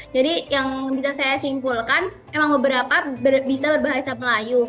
jadi yang bisa saya simpulkan emang beberapa bisa berbahasa melayu